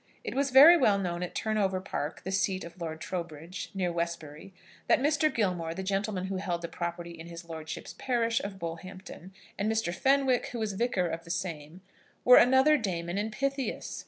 It was very well known at Turnover Park, the seat of Lord Trowbridge, near Westbury, that Mr. Gilmore, the gentleman who held property in his lordship's parish of Bullhampton, and Mr. Fenwick, who was vicar of the same, were another Damon and Pythias.